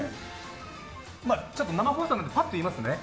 生放送なのでパッと言いますね。